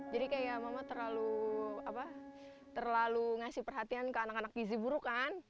kayak mama terlalu ngasih perhatian ke anak anak gizi buruk kan